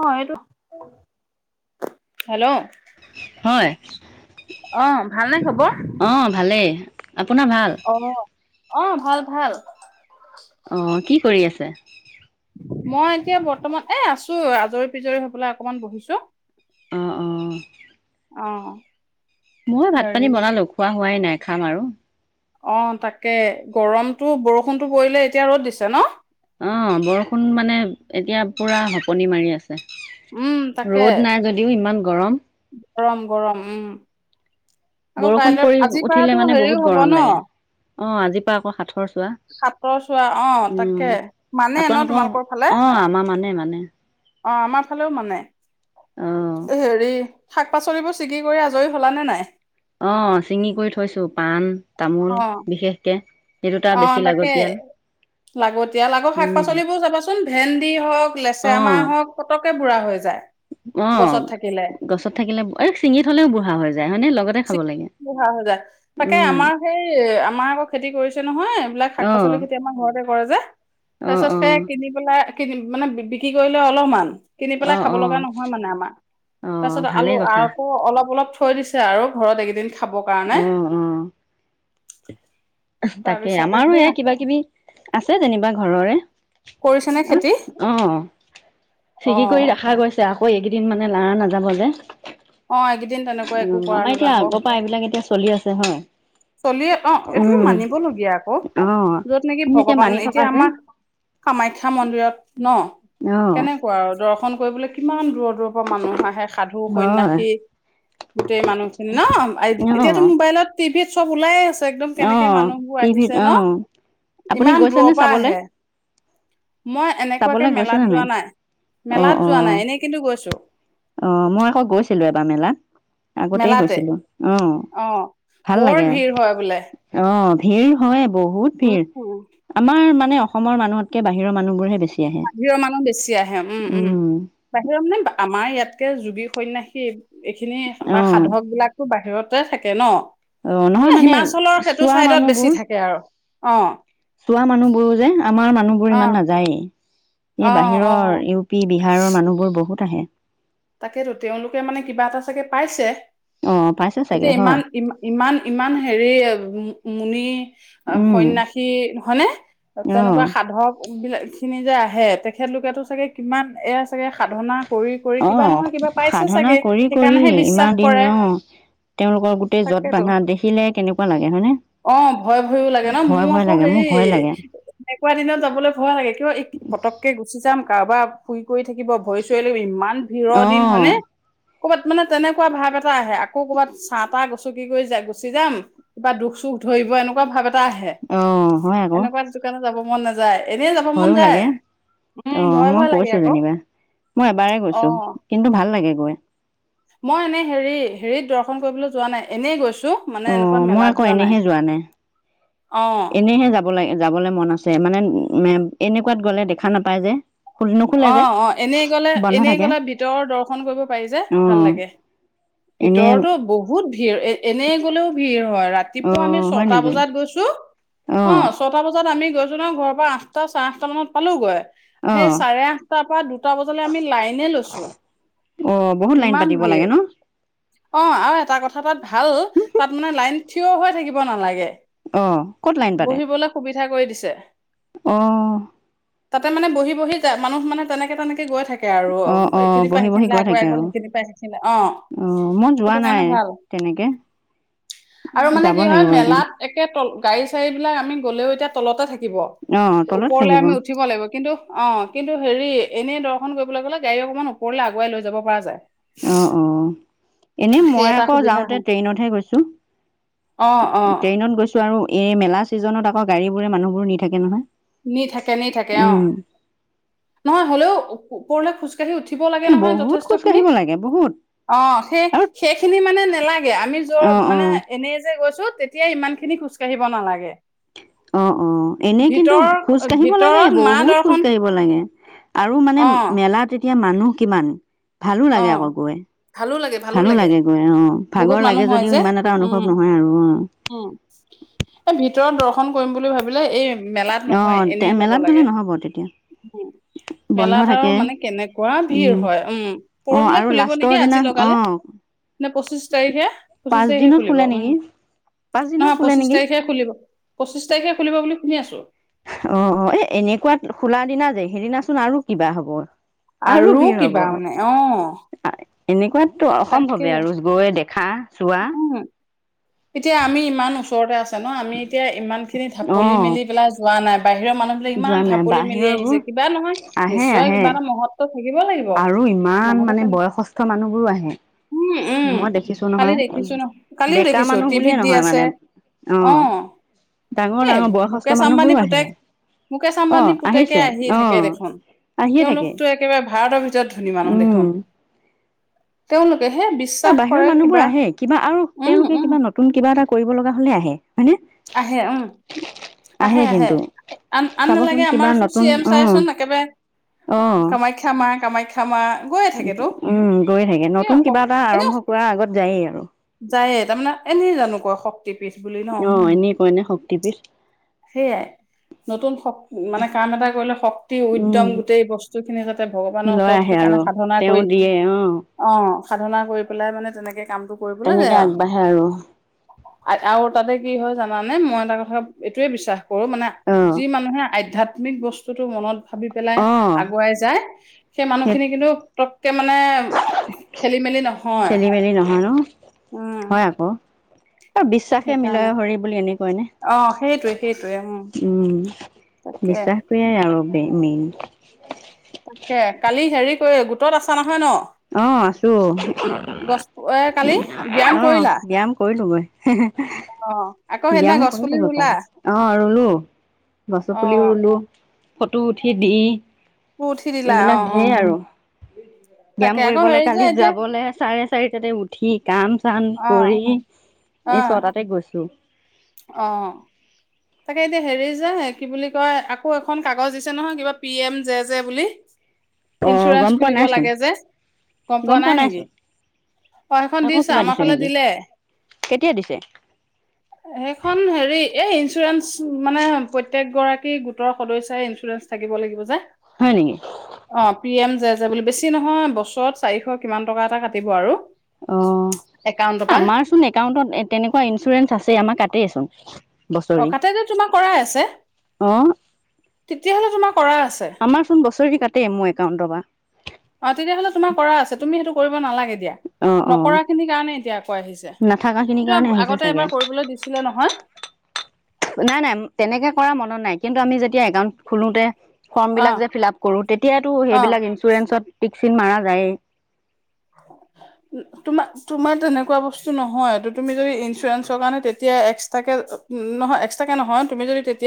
অ' এইটো হেল্ল' হয়। অ ভালনে খবৰ? অ' ভালে। আপোনাৰ ভাল? অ' ভাল - ভাল। অ' কি কৰি আছ ছে? মই এতিয়া বৰ্তমান- এ আছোঁ, আজৰি-পিজৰি হৈ পেলাই অকমান বহিছোঁ। অ'-অ'। মই হেৰি ভাত-পানী বনালোঁ। খোৱা হোৱাই নাই, খাম আৰু। অ' তাকে। গৰমটো- বৰষুণটো পৰিলে, এতিয়া ৰ'দ দিছে, ন'? অ', বৰষুণ মানে এতিয়া পুৰা হপনি মাৰি আছ উম, তাকে। ইমান গৰম গৰম - গৰম, উম। আকৌ বৰষুণ কাইলৈ পৰি আজিৰ পৰাতো উঠিলে মানে হেৰিও বহুত হ'ব ন গৰম লাগে। অ' আজি পৰা আকৌ সাথৰ সাতৰ চোৱা অ' তাকে মানে ন আপোনালোকৰ তোমালোকৰ ফালে অঁ আমাৰ মানে মানে অ' আমাৰ ফালেও মানে অঁ হেৰি। শাক পাচলিবোৰ ছিগি কৰি আজৰি হ'লা নে নাই। অ' চিঙি কৰি থৈছো পাণ অ তামোল বিশেষকে। অ' তাকে লাগতিয়াল আগৰ শাক পাচলিবোৰ চাবাচোন ভেন্দি হওক লেচেৰামাহ অঁ হওক পতক পতকে বুঢ়া হৈ যায়। গছত অ' থাকিলে গছত থাকিলে আৰু চিঙি থলেও বুঢ়া হৈ যায় হয়নে লগতে। খাব লাগে। বুহা হৈ যায় তাকে উম, আমাৰ সেই আমাৰ আকৌ খেতি কৰিছে নহয় এইবিলাক শাক অ', পাচলি খেতি আমাৰ ঘৰতে। কৰে যে। তাৰ অ', পিছত সেই অ', কিনি পেলাই। মানে বিক্ৰী কৰিলে অলপমান কিনি পেলাই অ', খাব লগা অ', নহয় মানে আমাৰ অ', তাৰপিছত আলু ভালেই কথা আকৌ অলপ অলপ থৈ দিছে আৰু ঘৰত এইকেইদিন খাব কাৰণে। অ', অ', তাকে তাৰপিছতে আমাৰো সেয়া এয়া কিবা কিবি আছে যেনিবা ঘৰৰে কৰিছেনে খেতি অ অ অ ছিগি কৰি ৰখা গৈছে আৰু। ক এইকেইদিন মানে লাৰা নাযাব যে! অ এইকেইদিন তেনেকুৱা উ একো কৰা আমাৰ এতিয়া নাযাব আগৰ পৰা এইবিলাক এতিয়া চলি আছে হয়! চলিয়ে অ এ উম, মানিবলগীয়া আকৌ অ', যত নেকি আমি ভগৱান মানি থকা এতিয়া যে আমাৰ কামাখ্যা মন্দিৰত ন অ', কেনেকুৱা আৰু দৰ্শন কৰিবলৈ কিমান দূৰত দুৰৈৰ পৰা মানুহ আহে সাধু হয় সন্যাসী গোটেই মানুহখিনি ন এতিয়াতো অ', মোবাইলত টিভিত চব ওলাই আছে একদম কেনেকে অ', মানুহবোৰ টিভিত আহিছে ন অ', আপুনি ইমান দূৰৰ গৈছেনে পৰা চাবলে? আহে মই এনেকুৱাকে চাবলৈ গৈছে মেলাত নে যোৱা নাই অ', মেলাত যোৱা অ', নাই এনেই কিন্তু গৈছো। অ', মই আকৌ গৈছিলো এবাৰ মেলাত। আগতেই মেলাতে গৈছিলো অ' অ ভাল বৰ লাগে ভিৰ হয় বোলে! অ ভিৰ হয়। বহুত ভিৰ উম আমাৰ মানে অসম মানুহতকে বাহিৰৰ মানুহবোৰ হে বেছি। আহে বাহিৰৰ মানুহ বেছি আহে। উম, উম। বাহিৰৰ, মানে, আমাৰ ইয়াত তে যোগী সন্ন্যাসী এইখিনি বা অ', সাধকবিলাকতো বাহিৰত তাতে থাকে, ন? অ', নহয়। এ মানে, হিমাচলৰ সেইটো চোৱা, চাইডত বেছি মানুহবোৰ থাকে আৰু অ'। চোৱা, মানুহবোৰ যে, আমাৰ মানুহবোৰ অ ইমান নাযায়েই অ এই অ বাহিৰৰ ইউ পি, বিহাৰৰ মানুহবোৰ বহুত আহে তাকেতো তেওঁলোকে, মানে, কিবা এটা, চাগে, পাইছে অ', পাইছে চাগে এতিয়া, হয় ইমান, ইমান, ইমান, হেৰি, উম। মুনি-সন্ন্যাসী, হয়নে? অ', তেনেকুৱা সাধক বিলাকখিনি যে আহে, তেখেত লোকেতো চাগে, কিমান, এ, চাগে, সাধনা কৰি কিবা অ', নহয়, কিবা পাইছে, সাধনা চাগে। কৰি কৰি সেইকাৰণেহে ইমান বিশ্বাস দিন কৰে, অ', তেওঁলোকৰ গোটেই য'ত তাকেতো। বান্ধা দেখিলে কেনেকুৱা লাগে হয়নে অ', ভয়-ভয়ও লাগে, ন? ভয় মোৰ ভয় আকৌ, লাগে হেৰি, মোৰ ভয় লাগে এনেকুৱা দিনত যাবলৈ ভয় লাগে। কিয়, এই পতকেই গুচি যাম কাৰোবাৰ শুই কৰি থাকিব। ভৰি চৰি লাগিব ভিৰৰ দিন, অঁ হয়নে? ক'ৰবাত, মানে, তেনেকুৱা ভাৱ এটা আহে। আকৌ, ক'ৰবাত চা-তা গচকি কৰি গৈ গুচি যাম। কিবা দুখ-চুখ ধৰিব, এনেকুৱা ভাৱ এটা টা আহে, অঁ হয় আকৌ এনেকুৱা যোকান যাব মন নাযায় এনেই যাব মন ভয়ো যায় লাগে। উম অ', ভয় মই ভয় লাগে গৈছোঁ, আকৌ যেনিবা। মই এবাৰে গৈ অ কিন্তু ভাল লাগে গৈ মই এনে, হেৰি, হেৰিত দৰ্শন কৰিবলৈ যোৱা নাই। এনেই গৈছোঁ অ', মই আকৌ এনেহে যোৱা নাই। অ'। এনেহে যাব লাগে। যাবলৈ মন আছে, মানে এনেকুৱাত গ'লে, দেখা নাপায় যে খোল নোখোলে যে অ', অ'। এনেই গ'লে, বন্ধ এনেই থাকে গ'লে, ভিতৰৰ দৰ্শন কৰিব পাৰি যে। ভাল অঁ লাগে। এনে ভিতৰতো বহুত ভিৰ। এ, এনেই গ'লেও, ভিৰ হয়। ৰাতিপুৱা আমি অঁ হয় ছটা নেকি বজাত গৈছোঁ। অঁ অ', ছটা বজাত আমি কৈছোঁ, নহয়। ঘৰৰ পৰা, আঠটা-চাৰে আঠটা মানত পালোঁ গৈ সেই অঁ চাৰে আঠটাৰ পৰা দুটা বজালৈ, আমি লাইনে লৈছোঁ। অঁ বহুত লাইন ইমান পাতিব ভিৰ লাগে ন অ', আৰু এটা কথা তাত ভাল। তাত, মানে, লাইন, থিয় হৈ থাকিব নালাগে অঁ ক'ত লাইন পাতে বহিবলৈ সুবিধা কৰি দিছে। অঁ তাতে, মানে, বহি-বহি মানুহ, মানে, তেনেকে-তেনেকে গৈ থাকে আৰু অ অঁ অঁ এইখিনি পাই বহি বহি সেইখিনিলে গৈ আগুৱাই থাকে গল আৰু সেইখিনি পাই সেইখিনিলে অ মই যোৱা সেইটো কাৰণে নাই ভাল তেনেকে আৰু মানে যাব কি হয় লাগিব এদিন মেলাত একে ত গাড়ী চাড়ী বিলাক আমি গলেও এতিয়া তলতে থাক কিব অ তলত ওপৰলে থাকিব আমি উঠিব লাগিব কিন্তু, অঁ। কিন্তু হেৰি এনেই দৰ্শন কৰিবলৈ গ'লে গাড়ী অকণমান ওপৰলে আগুৱাই লৈ যাব পৰা যায়। অ অ এনে সেই মই এটা আকৌ সুবিধা যাওঁতে হয় ট্ৰেইনতহে গৈছো, অ অ ট্ৰেইনত গৈছো আৰু এই মেলা ছিজনত আকৌ গাড়ীবোৰে মানুহবোৰ নি থাকে নহয়। নি থাকে নি থাকে অঁ, উম নহয় হলেও উপৰলে খোজ উঠিব লাগে নহয় বহুত যথেষ্ট খোজ খিনি, কাঢ়িব লাগে বহুত অ সেই আৰু সেইখিনি মানে নেলাগে আমি যৰ অ অ মানে এনেই যে গৈছো তেতিয়া ইমান খিনি খোজ কাঢ়িব নালাগে। অ অ এনে কিন্ত কিন্তু ভিতৰ খোজ কাঢ়িব লাগে ভিতৰত মা বহুত খোজ দৰ্শন কাঢ়িব লাগে। আৰু মানে অ মেলাত এটি এতিয়া মানুহ কিমান ভালো অ লাগে আকৌ গৈ, ভালো লাগে গৈ আহ বহুত ভাগৰ মানুহ লাগে হয় যদিও যে ইমান এটা অনুভৱ উম নহয় আৰু অ। ৰ্শন কৰিম বুলি ভাবিলে এই মেলাত নহয়, অ', তে এনেই যাব মেলাত গ'লে লাগে। নহ'ব তেতিয়া উম, বন্ধ মেলাত আৰু থাকে মানে কেনেকুৱা ভিৰ হয়, উম। অ', পৰহিলে আৰু খুলিব লাষ্টৰ নেকি আজি দিনা লগালে? অ', নে পঁচিশ তাৰিখে? পঁচিশ পাঁচ তাৰিখে দিনত খুলিব, খোলে উম। নেকি পাঁচ দিনত নহয়, খোলে পঁচিশ নেকি তাৰিখে খুলিব। পঁচিশ তাৰিখে খুলিব বুলি শুনি আছোঁ। অ' - অ'। এ- এনেকুৱাত খোলা দিনা যে, সেইদিনাচোন আৰু কিবা হব। আৰু কিবা মানে, অ'। এনেকুৱাত টো তাকে অসম্ভৱে আৰু, গৈয়ে দে খা চোৱা উম এতিয়া আমি ইমান ওচৰতে আছ ন', আমি এতিয়া ইমানখিনি ঢাপলি অ', মেলি পেলাই যোৱা নাই বাই বাহিৰৰ মানুহবিলাক যোৱা ইমান নাই ঢাপলি মেলি বাহিৰৰবোৰ আহিছে। কিবা নহয়, আহে নিশ্চয় আহে কিবা এটা মহৎ আৰু ইমান মানে বয়সস্থ মানুহবোৰো আহে। উম উম মই দেখিছোঁ নহয়, ডেকা মা ত' টিভিত দি আছে আহ, ডাঙৰ এই ডাঙৰ বয়সস্থ মুকেশ আম্বানী মানুহবোৰো আহে পুতেক -মুকেশ অ আম্বানী পুতেকে আহিছে আহিয়ে অ থাকে দেখোন আহিয়ে থাকে তেওঁলোকতো একেবাৰে ভাৰতৰ ভিতৰত ধুনী মানুহ দেখোন। তেওঁলোক অ, বাহিৰৰ মানুহবোৰ আহে কিবা আৰু উম তেওঁলোকে উম কিবা নত নতুন কিবা এটা কৰিব লগা হ'লে আহে। হয়নে আহে উম, আহে আহে-আহে কিন্তু আন-আন চাবচোন নালাগে কিবা আমাৰচোন চি নতুন এম অ চায়ে চোন একেবাৰে অ কামাখ্যা মা - কামাখ্যা মা গৈয়ে থাকেতো [unintelligible] উম, গৈ থাকে সেয়া নতুন কিবা শক- এটা এনেও আৰম্ভ কৰা আগত যায়েই আৰু। শক্তিত। বিছ বুলি ন? অ, এনে শক্তি পীঠ সেয়াই নতুন শক মানে কাম এটা কৰিলে শক অতি উদ্যম উম গোটেই বচ [unintelligible] তে ভগৱানৰ লৈ ওচৰত আহে সেইকাৰণে আৰু সাধনা তেওঁ কৰি দিয়ে অ, সাধনা কৰি পেলাই মানে তেনেকে কামটো তেনেকে আগবাঢ়ে আৰু আ আৰু তাতে কি হয় জানা? মানে মই এটা কথা এইটোৱে বিশ্বাস কৰোঁ মানে অ যি মানুহে আধ্যত আমিক বস্তুটো মনত ভাবি পেলাই অ আগুৱাই যায়। সেই মানুহখিনি কিন্ত তো কে মানে খেলি মেলি নহয়, খেলি মেলি নহয় ন উম। এই বিশ্বাসে সেইকাৰণে মিলয় হৰি বুলি এনেকুৱাই নে অ সেইটোৱে সেইটোৱে উম উম, তাকে বিশ্বাসটোৱেই আৰু [inaudible] দে মেইন তাকে কালি হেৰি কৰি গোটত আছা নহ অহ' আছোঁ। গছ এ কালি ব্যায়াম অহ' কৰিলা ব্যায়াম কৰিলোঁ গৈ। হে হে এহ অ আকৌ সেইদিনা ব্যয়াম গছ পুলি কৰিলোঁ গৈ ৰুলা কালি অ' ৰুলো গছ অ পুলিও ৰুলোঁ। ফটো উঠি দি। শুই উঠি দিলা অ অ। ব্যয়াম তাকে আকৌ কৰিবলৈ হেৰি যে কালি এতিয়া যাবলৈ চাৰে চাৰিটাতে উঠি কাম চাম অ কৰি অ এ ছয়তাতে গৈছোঁ। অ' তাকে এতিয়া হেৰি যে কি বুলি কয়, আকৌ এখন কাগজ দিছে নহয় কিবা পি এম জে জে বুলি। অ গম ইঞ্চুৰেঞ্চ পোৱা খুলিব নাইচোন লাগে যে, গম পোৱা নাই নেকি। অ' সেইখন আকৌ দিছে, কিবা আমাৰ ফালে নেকি দিলে। কেতিয়া দিছে হেইখন হেৰি এই ইন্ মানে প্ৰত্যেকে গৰাকী গোটৰ সদস্যাই ইঞ্চুৰেঞ্চ থাকিব লাগিব যে হয় নেকি অ', পি এম জে জে বুলি। বেছি নহয় বছৰত চাৰিশ কিমান টকা এটা কাটিব আৰু অ', একাউণ্টৰ পৰা আমাৰচোন একাউন্টত এ তেনেকুৱা ইঞ্চুৰেঞ্চ আছেই, আমাক কাটেইচোন। অ' বছৰি কাটে যে তোমাৰ কৰাই আছে। অ তেতিয়াহ'লে তোমাক আমাৰ চোন বছৰি কাটেই মোৰ একাউণ্টৰ পৰা। অ' তেতিয়াহ'লে তোমাৰ কৰা আছে তুমি সেইটো কৰিব নালাগে দিয়া অ', নকৰা অ'। খিনিৰ কাৰণে এতিয়া আকৌ আহিছে। নাথাকা খিনিৰ এইটো কাৰণে আহিছে আগতে চাগে। এবাৰ কৰিবলৈ দিছিলে নহয়। নাই নাই তেনেকে কৰা মনত নাই। কিন্তু আমি যেতিয়া একাউণ্ট খলোতে ফৰ্ম বিলাক যে ফিলাপ কৰো তেতিয়াতো অ অ সেইবিলাক ইঞ্চুৰেঞ্চত টিক চীণ মাৰা যায়ে তোমা তোমাৰ তেনেকুৱা বস্তু নহয়। তু তুমি যদি ইঞ্চুৰেঞ্চৰ কাৰণে তেতিয়াই এস্কট্ৰাকে নহয় এস্কট্ৰাকে নহয় তুমি যদি তেতি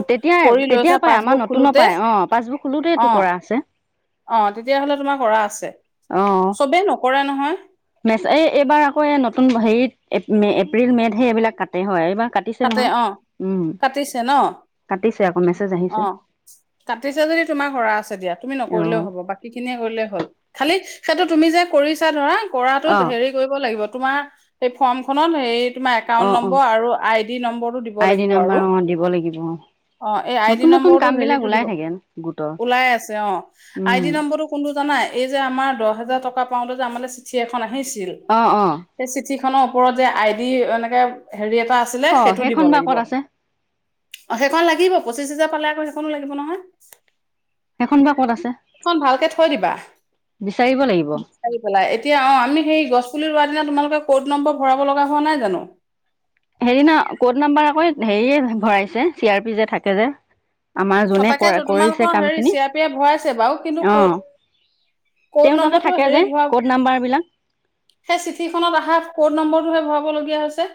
অ' তেতিয়াই, তেতিয়াপাই আমাৰ নতুন খোলোতে পায়ে অ' পাছবুক অ খলোতেইটো কৰা আছে। অ' তেতিয়াহ'লে তোমাৰ কৰা আছে অ'। চবেই নক কৰে নহয়। এই এইবাৰ আকৌ এই নতুন হেৰিত এপ মে, এপ্ৰিল মেতহে এইবিলাক কাটেই হয়। এইবাৰ কাটিছে কাটে নহয়। অ', উম, কাটিছে ন'। কাটিছে আকৌ মেছেজ আহিছে অ', কাটিছে যদি তোমাৰ কৰা আছে দিয়া, তুমি নকৰিলেও অ', হ'ব। বাকীখিনিয়ে কৰিলেই হ'ল। খালি সেইটো তুমি যে কৰিছা ধৰা কৰাটোত অ', হেৰি কৰিব লাগিব তোমাৰ এই ফাৰ্মখনত সেই তোমাৰ একাউণ্ট অ', অ'। নম্বৰ আৰু আই নম্বৰটো দিব আই ডি লাগিব আৰু নাম্বাৰ অ', দিব লাগিব অ'। অ' এই আই ডি নতুন নতুন নম্বৰটো কাম বিলাক হেৰিটো ওলাই দিব, থাকে গোটৰ উলাই আছে অ'। আই উম ডি নম্বৰটো কোনটো জানা, এইযে আমাৰ দহ হাজা টকা পাওতে যে আমালে চিঠি এখন আহিছিল ছিল, অ অ এই চিঠি খনৰ ওপৰত যে আই ডি এনেকে হেৰি এটা আছে অ সেটো দিব সেইখন বা লাগিব। ক'ত আছে অ' সেইখন লাগিবই পচিশ হাজাৰ প পালে আকৌ সেইখনো লাগিব নহয়। সেইখন বা ক'ত আছে সেইখন ভালকে থৈ দিবা, বিচাৰিব লাগিব বিচাৰি পেলাই এতিয়া। অ' আমি সেই গছ পুলি ৰুৱা তোমালোকে ক'ত নম্বৰ ভৰাব লগা হোৱা নাই জানো? হেৰিনা ক'ড নাম্বাৰ আকৌ হেৰিয়ে ভৰাইছে চি আৰ পি যে থাকে যে। আমাৰ অ যোনে কৰা তাকেটো কৰিছে তোমালোকৰ কাম হেৰি খিনি চি আই পিয়ে ভৰাইছে বাৰু কিন্তু অ ক'ড তেওঁ ক'ড তাতে নম্বৰটো থাকে যে হেৰি ধৰা ক'ড নাম্বাৰ বিলাক সেই চিঠিখনত অহা ক'ড নম্বৰটোহে ভৰাব ব লগীয়া হৈছে।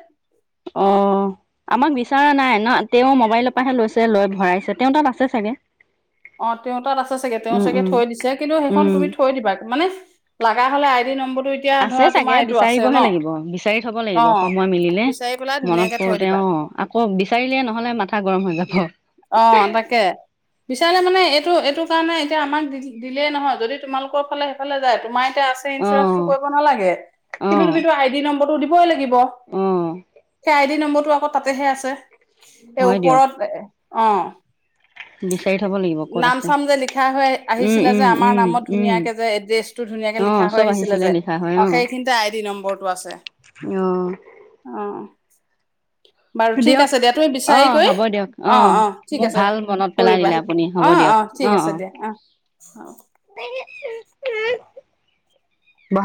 অ', আমাক বিচৰা নাই ন তেওঁ মোবাইলৰ পৰাহে লৈছে লৈ ভৰাইছে তেওঁৰ তাত আছে চাগে। অ' তেওঁ তাত আছে চাগে তেওঁ উম চাগে উম থৈ দিছে কিন্তু সেইখন উম তুমি থৈ দিবা মানে লাগা হ'লে আই ডি নম্বৰ আছে চাগে বিচাৰিবহে লাগিব, বিচাৰি থব অ লাগিব সময় মিলিলে বিচাৰি পেলাই মনত ধুনীয়াকে থৈ পৰোতে দিবা অ আকৌ বিচাৰিলে নহলে মাথা গৰম হৈ যাব। অ, তাকে বিচাৰিলে মানে এই এইটো-এইটো কাৰণে এতিয়া আমাক দিলেই নহয় যদি তোমালোকৰ ফালে সেইফালে যায়। তোমাৰ এটা আছে অ ইঞ্চুৰেঞ্চটো কৰিব নালাগে, অ কিন্তু তুমিতো আইডি নাম্বাৰ টো দিবই লাগিব। অ সেই আইডি নম্বৰ তেওঁৰ আকৌ তাতেহে আছে। এ হয় দিয়ক ওপৰত এ, অ'। বিচাৰি থব লাগিব ক'ত নাম আছে চাম যে লিখা হৈ উম আহিছিলে যে উম আমাৰ উম নামত উম ধুনীয়াকে যে এড্ৰেছটো ধুনীয়াকে অ লিখা হৈ চব আহিছিলে যে লিখা হয় অ' সেইখিনিতে আইডি নম্বৰটো আছে, অ অ'। বাৰু ঠিক দিয়ক আছে দিয়া তুমি অ বিচাৰিকৈ হ'ব দিয়ক অ', অ' ঠিক মোক আছে ভাল মনত পেলাই কৰিবা দিলে আপুনি হ'ব অ', দিয়ক অ' ঠিক আছে দিয়া অ', অ'।